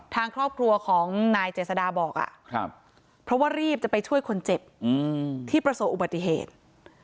ทางครอบครัวของนายเจษดาบอกเพราะว่ารีบจะไปช่วยคนเจ็บที่ประสบอุบัติเหตุ